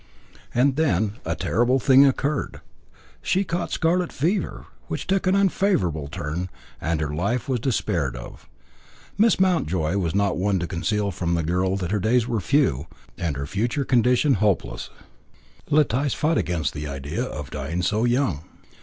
And then a terrible thing occurred. She caught scarlet fever, which took an unfavourable turn, and her life was despaired of. Miss Mountjoy was not one to conceal from the girl that her days were few, and her future condition hopeless. Letice fought against the idea of dying so young.